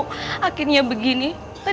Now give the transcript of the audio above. kemudian aku wild si adjectiejoff